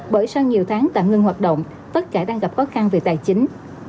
bởi sau nhiều tháng tạm ngưng hoạt động tất cả đang gặp khó khăn về tài chính